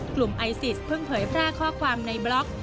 กลุ่มไอซิสเพิ่งเผยแพร่ข้อความในบล็อก